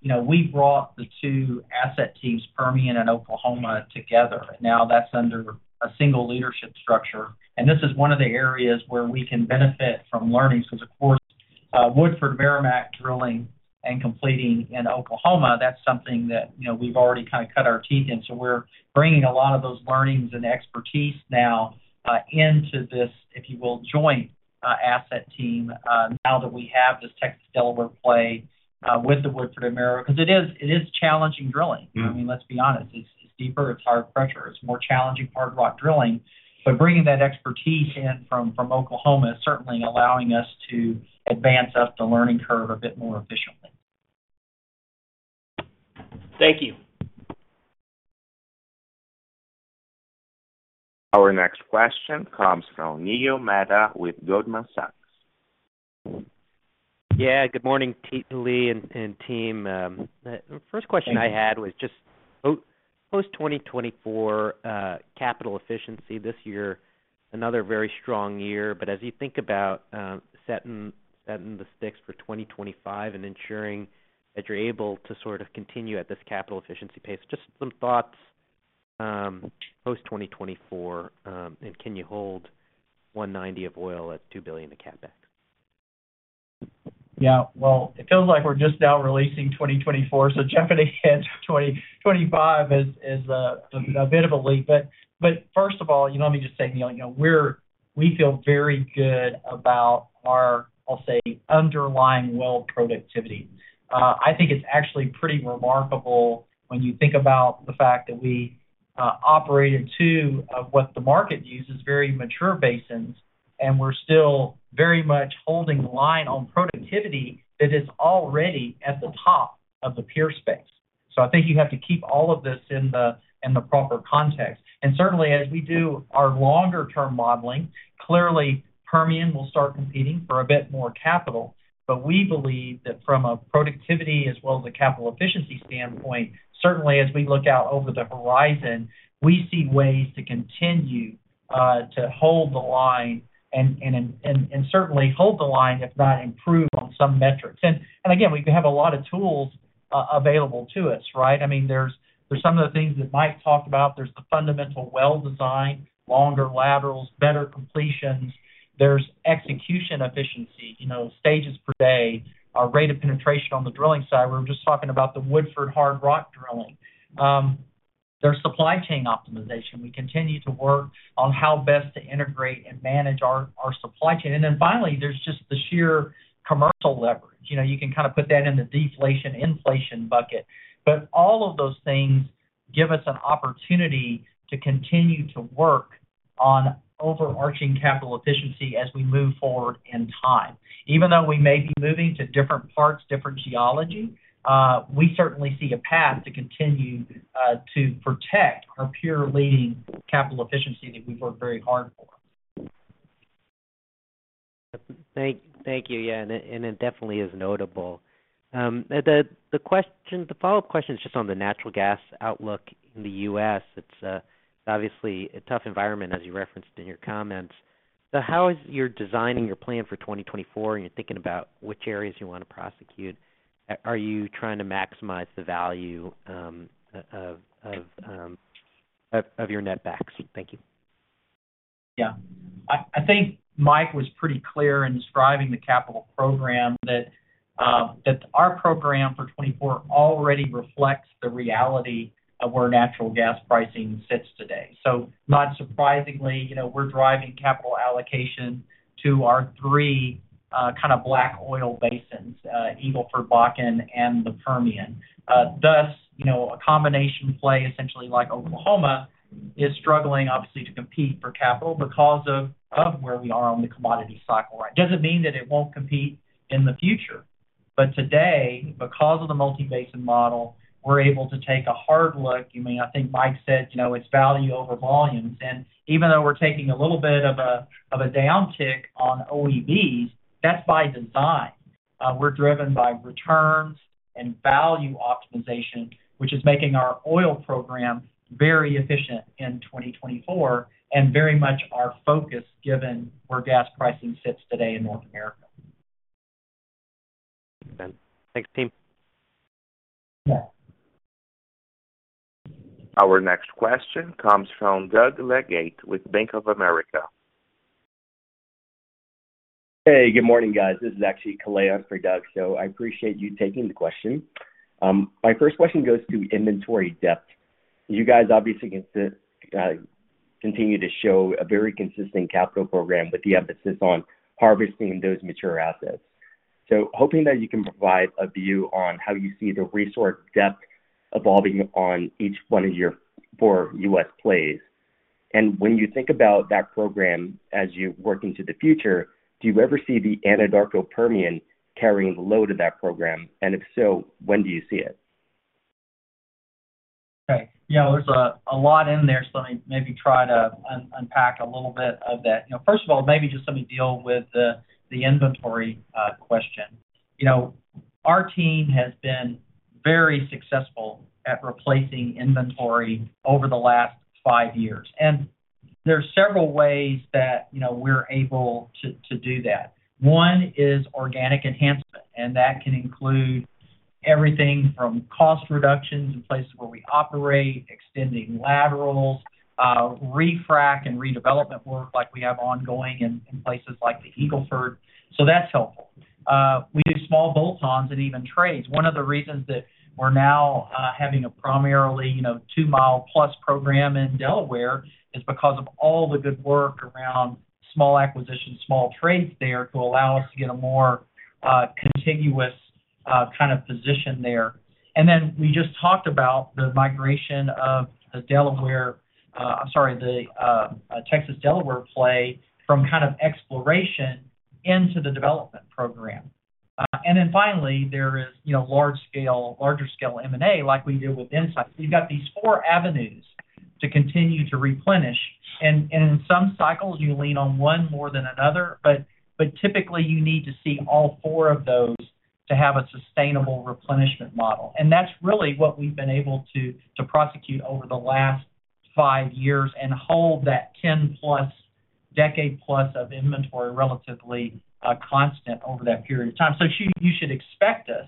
you know, we brought the two asset teams, Permian and Oklahoma, together. Now that's under a single leadership structure, and this is one of the areas where we can benefit from learnings, because, of course, Woodford-Meramec drilling and completing in Oklahoma, that's something that, you know, we've already kind of cut our teeth in. So we're bringing a lot of those learnings and expertise now, into this, if you will, joint, asset team, now that we have this Texas Delaware play, with the Woodford-Meramec. Because it is, it is challenging drilling. Mm-hmm. I mean, let's be honest, it's deeper, it's hard pressure, it's more challenging hard rock drilling. But bringing that expertise in from Oklahoma is certainly allowing us to advance up the learning curve a bit more efficiently. Thank you. Our next question comes from Neil Mehta with Goldman Sachs. Yeah, good morning to Lee and team. First question I had was just post-2024, capital efficiency this year, another very strong year. But as you think about setting, setting the sticks for 2025 and ensuring that you're able to sort of continue at this capital efficiency pace, just some thoughts post-2024, and can you hold $190 of oil at $2 billion in CapEx? Yeah, well, it feels like we're just now releasing 2024, so jumping ahead to 2025 is a bit of a leap. But first of all, you know me, just saying, Neil, you know, we feel very good about our, I'll say, underlying well productivity. I think it's actually pretty remarkable when you think about the fact that we operate in two of what the market views as very mature basins, and we're still very much holding the line on productivity that is already at the top of the peer space. So I think you have to keep all of this in the proper context. And certainly, as we do our longer term modeling, clearly, Permian will start competing for a bit more capital. But we believe that from a productivity as well as a capital efficiency standpoint, certainly as we look out over the horizon, we see ways to continue to hold the line and certainly hold the line, if not improve on some metrics. And again, we have a lot of tools available to us, right? I mean, there's some of the things that Mike talked about. There's the fundamental well design, longer laterals, better completions. There's execution efficiency, you know, stages per day, our rate of penetration on the drilling side. We were just talking about the Woodford hard rock drilling. There's supply chain optimization. We continue to work on how best to integrate and manage our supply chain. And then finally, there's just the sheer commercial leverage. You know, you can kind of put that in the deflation, inflation bucket. But all of those things give us an opportunity to continue to work on overarching capital efficiency as we move forward in time. Even though we may be moving to different parts, different geology, we certainly see a path to continue, to protect our pure leading capital efficiency that we've worked very hard for. Thank you. Yeah, it definitely is notable. The question—the follow-up question is just on the natural gas outlook in the US. It's obviously a tough environment, as you referenced in your comments. So how is your designing your plan for 2024, and you're thinking about which areas you wanna prosecute? Are you trying to maximize the value of your netbacks? Thank you. Yeah. I think Mike was pretty clear in describing the capital program that our program for 2024 already reflects the reality of where natural gas pricing sits today. So not surprisingly, you know, we're driving capital allocation to our three kind of black oil basins, Eagle Ford, Bakken and the Permian. Thus, you know, a combination play, essentially like Oklahoma, is struggling, obviously, to compete for capital because of where we are on the commodity cycle right now. It doesn't mean that it won't compete in the future, but today, because of the multi-basin model, we're able to take a hard look. You may—I think Mike said, you know, it's value over volumes. And even though we're taking a little bit of a downtick on BOE, that's by design. We're driven by returns and value optimization, which is making our oil program very efficient in 2024, and very much our focus, given where gas pricing sits today in North America. Thanks, team. Yeah. Our next question comes from Doug Leggate with Bank of America. Hey, good morning, guys. This is actually Kalei in for Doug, so I appreciate you taking the question. My first question goes to inventory depth. You guys obviously continue to show a very consistent capital program with the emphasis on harvesting those mature assets. Hoping that you can provide a view on how you see the resource depth evolving on each one of your four U.S. plays. And when you think about that program as you work into the future, do you ever see the Anadarko Permian carrying the load of that program? And if so, when do you see it? Okay, yeah, there's a lot in there, so let me maybe try to unpack a little bit of that. You know, first of all, maybe just let me deal with the inventory question. You know, our team has been very successful at replacing inventory over the last five years. And there are several ways that, you know, we're able to do that. One is organic enhancement, and that can include everything from cost reductions in places where we operate, extending laterals, refrack and redevelopment work like we have ongoing in places like the Eagle Ford. So that's helpful. We do small bolt-ons and even trades. One of the reasons that we're now having a primarily, you know, two-mile plus program in Delaware is because of all the good work around small acquisitions, small trades there, to allow us to get a more contiguous kind of position there. And then we just talked about the migration of the Delaware-- I'm sorry, the Texas Delaware play from kind of exploration into the development program. And then finally, there is, you know, large scale-- larger scale M&A, like we did with Ensign. We've got these four avenues to continue to replenish. And in some cycles, you lean on one more than another, but typically, you need to see all four of those to have a sustainable replenishment model. That's really what we've been able to prosecute over the last five years and hold that 10+, decade-plus of inventory relatively constant over that period of time. So you should expect us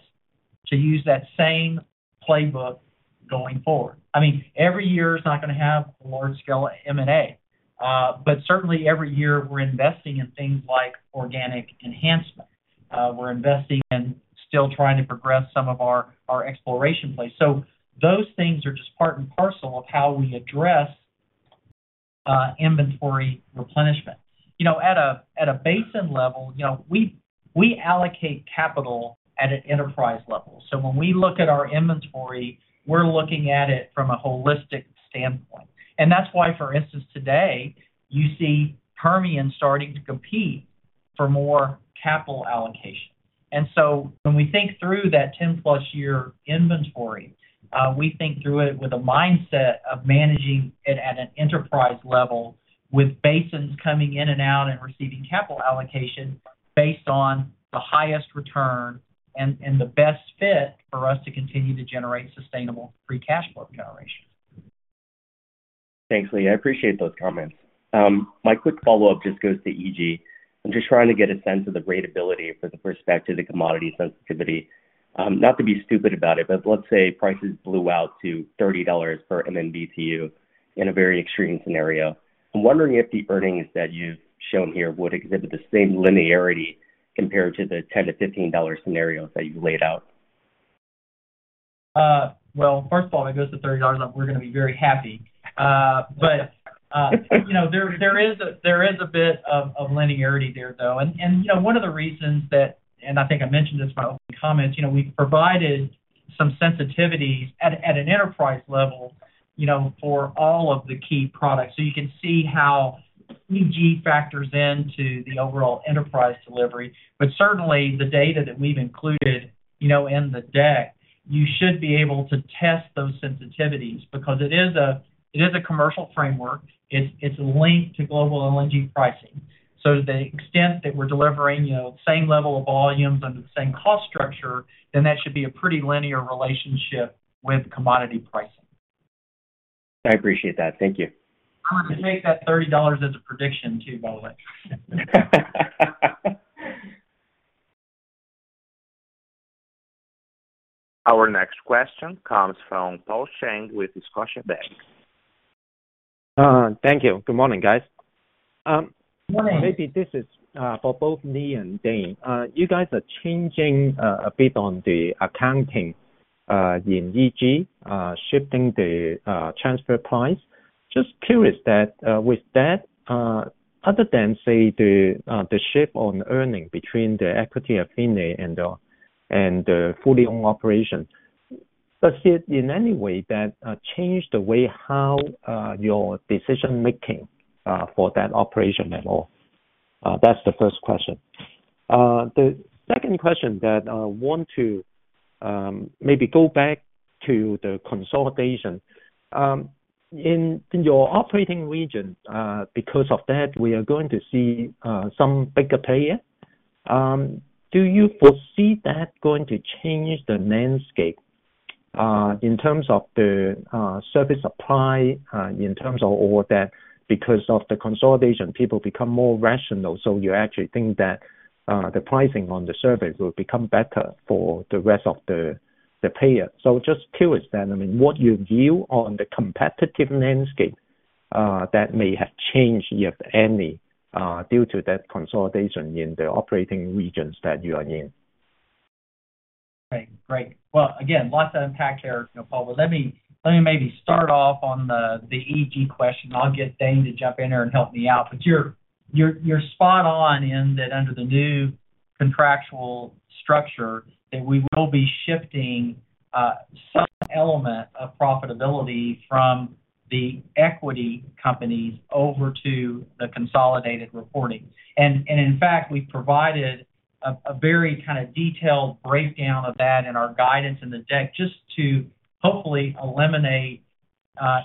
to use that same playbook going forward. I mean, every year is not going to have large-scale M&A, but certainly every year we're investing in things like organic enhancement. We're investing and still trying to progress some of our exploration plays. So those things are just part and parcel of how we address inventory replenishment. You know, at a basin level, you know, we allocate capital at an enterprise level. So when we look at our inventory, we're looking at it from a holistic standpoint. And that's why, for instance, today, you see Permian starting to compete for more capital allocation. And so when we think through that 10+ year inventory, we think through it with a mindset of managing it at an enterprise level, with basins coming in and out and receiving capital allocation based on the highest return and the best fit for us to continue to generate sustainable free cash flow generation. Thanks, Lee. I appreciate those comments. My quick follow-up just goes to EG. I'm just trying to get a sense of the ratability with respect to the commodity sensitivity. Not to be stupid about it, but let's say prices blew out to $30 per MMBtu in a very extreme scenario. I'm wondering if the earnings that you've shown here would exhibit the same linearity compared to the $10-$15 scenarios that you've laid out. Well, first of all, if it goes to $30, we're going to be very happy. But, you know, there is a bit of linearity there, though. And, you know, one of the reasons that, and I think I mentioned this in my opening comments, you know, we've provided some sensitivities at an enterprise level, you know, for all of the key products. So you can see how EG factors into the overall enterprise delivery. But certainly, the data that we've included, you know, in the deck, you should be able to test those sensitivities because it is a commercial framework. It's linked to global LNG pricing. So to the extent that we're delivering, you know, same level of volumes under the same cost structure, then that should be a pretty linear relationship with commodity pricing. I appreciate that. Thank you. I want to take that $30 as a prediction, too, by the way. Our next question comes from Paul Cheng with Scotiabank. Thank you. Good morning, guys. Good morning. Maybe this is for both Lee and Dane. You guys are changing a bit on the accounting in EG, shifting the transfer price. Just curious that with that, other than, say, the shift on earning between the equity affiliate and fully owned operation. Does it in any way change the way how your decision-making for that operation at all? That's the first question. The second question that want to maybe go back to the consolidation. In your operating region, because of that, we are going to see some bigger player. Do you foresee that going to change the landscape in terms of the service supply in terms of all that, because of the consolidation, people become more rational, so you actually think that the pricing on the service will become better for the rest of the payer? So just curious then, I mean, what your view on the competitive landscape that may have changed, if any, due to that consolidation in the operating regions that you are in? Great. Great. Well, again, lots to unpack there, you know, Paul. Well, let me maybe start off on the EG question. I'll get Dane to jump in here and help me out. But you're spot on in that under the new contractual structure, that we will be shifting some element of profitability from the equity companies over to the consolidated reporting. And in fact, we provided a very kind of detailed breakdown of that in our guidance in the deck, just to hopefully eliminate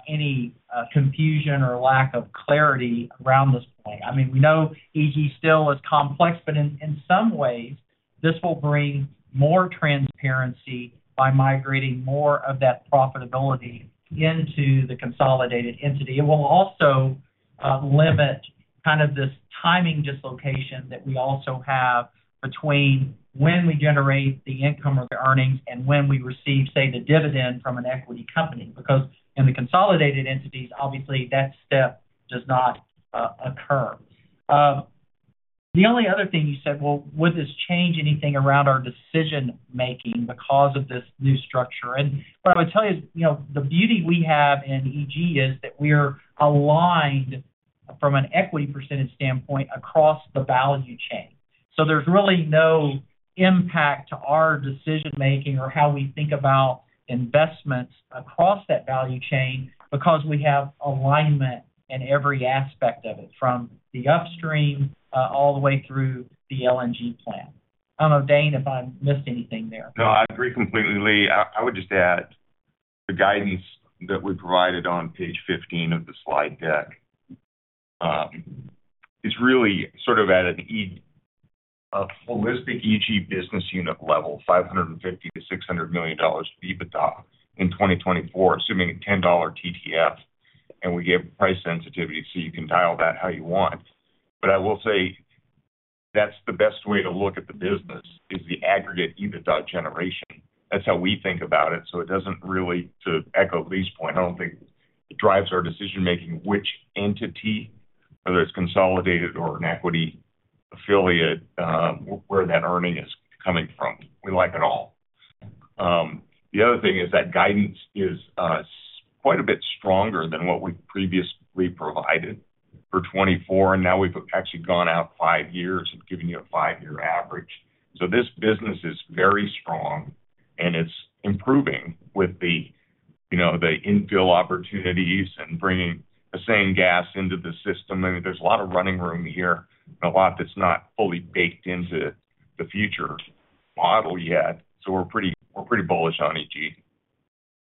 any confusion or lack of clarity around this point. I mean, we know EG still is complex, but in some ways, this will bring more transparency by migrating more of that profitability into the consolidated entity. It will also limit kind of this timing dislocation that we also have between when we generate the income or the earnings and when we receive, say, the dividend from an equity company, because in the consolidated entities, obviously, that step does not occur. The only other thing you said, well, would this change anything around our decision-making because of this new structure? And what I would tell you is, you know, the beauty we have in EG is that we're aligned from an equity percentage standpoint across the value chain. So there's really no impact to our decision-making or how we think about investments across that value chain, because we have alignment in every aspect of it, from the upstream all the way through the LNG plant. I don't know, Dane, if I missed anything there. No, I agree completely, Lee. I, I would just add, the guidance that we provided on page 15 of the slide deck is really sort of at a holistic EG business unit level, $550 million-$600 million EBITDA in 2024, assuming a $10 TTF, and we gave price sensitivity, so you can dial that how you want. But I will say, that's the best way to look at the business, is the aggregate EBITDA generation. That's how we think about it, so it doesn't really. To echo Lee's point, I don't think it drives our decision-making, which entity, whether it's consolidated or an equity affiliate, where that earning is coming from. We like it all. The other thing is that guidance is quite a bit stronger than what we've previously provided for 2024, and now we've actually gone out five years of giving you a five-year average. So this business is very strong, and it's improving with the, you know, the infill opportunities and bringing the same gas into the system. I mean, there's a lot of running room here and a lot that's not fully baked into the future model yet, so we're pretty bullish on EG.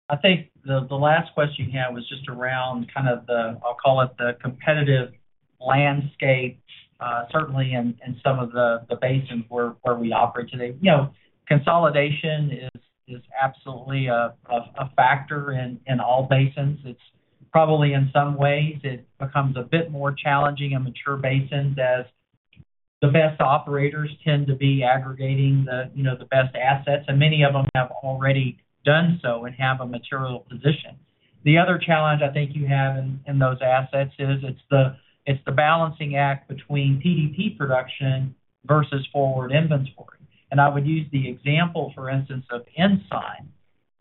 I think the last question you had was just around kind of the, I'll call it, the competitive landscape, certainly in some of the basins where we operate today. You know, consolidation is absolutely a factor in all basins. It's probably in some ways, it becomes a bit more challenging in mature basins as the best operators tend to be aggregating the, you know, the best assets, and many of them have already done so and have a material position. The other challenge I think you have in those assets is, it's the balancing act between PDP production versus forward inventory. And I would use the example, for instance, of Ensign,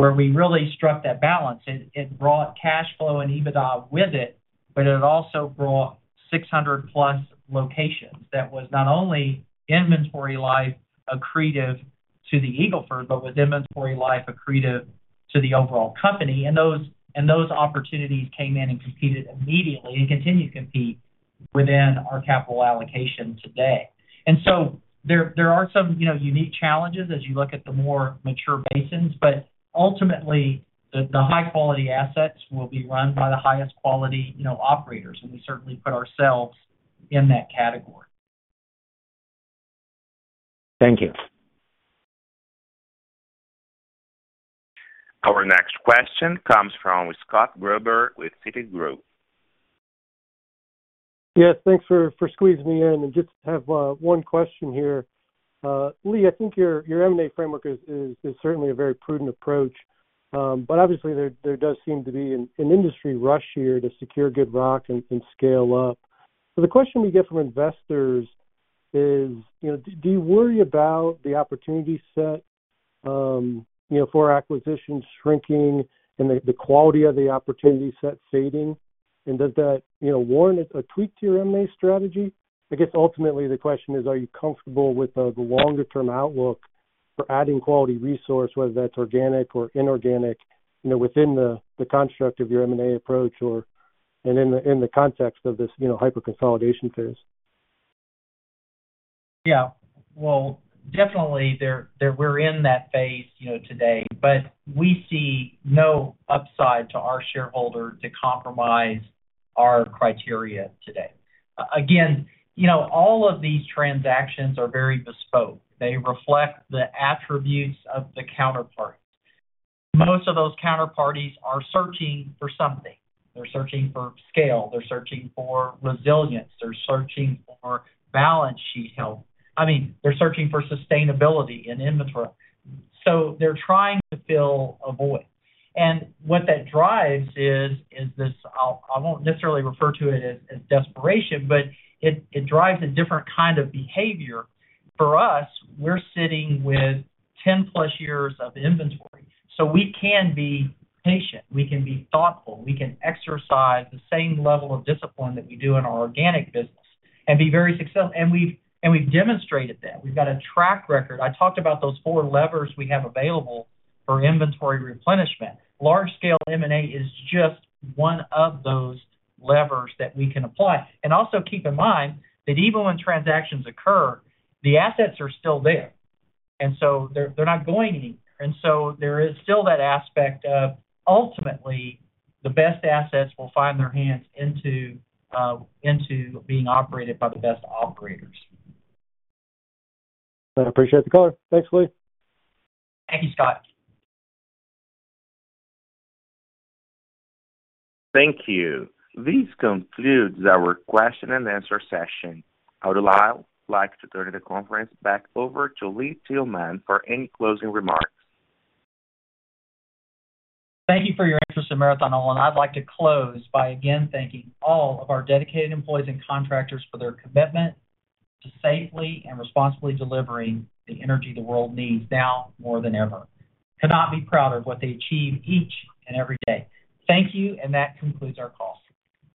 where we really struck that balance. It brought cash flow and EBITDA with it, but it also brought 600+ locations that was not only inventory life accretive to the Eagle Ford, but was inventory life accretive to the overall company. And those opportunities came in and competed immediately and continue to compete within our capital allocation today. And so there are some, you know, unique challenges as you look at the more mature basins, but ultimately, the high-quality assets will be run by the highest quality, you know, operators, and we certainly put ourselves in that category. Thank you. Our next question comes from Scott Gruber with Citigroup. Yes, thanks for squeezing me in. And just have one question here. Lee, I think your M&A framework is certainly a very prudent approach, but obviously there does seem to be an industry rush here to secure good rock and scale up. So the question we get from investors is, you know, do you worry about the opportunity set, you know, for acquisitions shrinking and the quality of the opportunity set fading? And does that, you know, warrant a tweak to your M&A strategy? I guess ultimately the question is, are you comfortable with the longer-term outlook for adding quality resource, whether that's organic or inorganic, you know, within the construct of your M&A approach or and in the context of this, you know, hyper consolidation phase? Yeah. Well, definitely there, we're in that phase, you know, today, but we see no upside to our shareholder to compromise our criteria today. Again, you know, all of these transactions are very bespoke. They reflect the attributes of the counterparties. Most of those counterparties are searching for something. They're searching for scale, they're searching for resilience, they're searching for balance sheet health. I mean, they're searching for sustainability and inventory. So they're trying to fill a void. And what that drives is this. I'll—I won't necessarily refer to it as desperation, but it drives a different kind of behavior. For us, we're sitting with 10+ years of inventory, so we can be patient, we can be thoughtful, we can exercise the same level of discipline that we do in our organic business and be very successful. And we've demonstrated that. We've got a track record. I talked about those four levers we have available for inventory replenishment. Large-scale M&A is just one of those levers that we can apply. And also keep in mind that even when transactions occur, the assets are still there, and so they're not going anywhere. And so there is still that aspect of ultimately, the best assets will find their hands into into being operated by the best operators. I appreciate the call. Thanks, Lee. Thank you, Scott. Thank you. This concludes our question and answer session. I would like to turn the conference back over to Lee Tillman for any closing remarks. Thank you for your interest in Marathon Oil, and I'd like to close by again thanking all of our dedicated employees and contractors for their commitment to safely and responsibly delivering the energy the world needs now more than ever. Could not be prouder of what they achieve each and every day. Thank you, and that concludes our call.